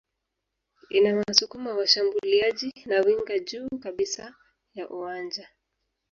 inawasukuma washambuliaji na winga juu kabisa ya uwanja